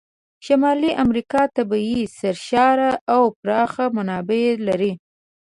شمالي امریکا طبیعي سرشاره او پراخه منابع لري.